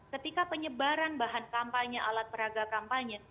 ketika penyebaran bahan kampanye alat peraga kampanye